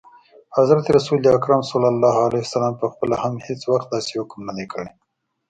حضرت رسول اکرم ص پخپله هم هیڅ وخت داسي حکم نه دی کړی.